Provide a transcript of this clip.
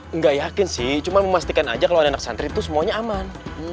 enggak yakin sih cuma memastikan aja kalau ada anak santri itu semuanya aman